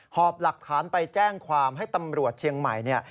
หอบหลักฐานไปแจ้งความให้ตำรวจเชียงใหม่เนี่ย